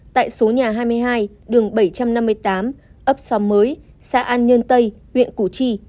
tại số nhà hai mươi hai đường bảy trăm năm mươi tám ấp xóm mới xã an nhơn tây huyện củ chi